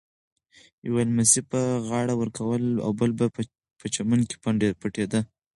یوه لمسي به غاړه ورکوله او بل به په چمن کې پټېده.